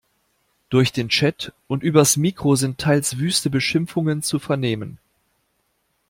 Durch den Chat und übers Mikro sind teils wüste Beschimpfungen zu vernehmen.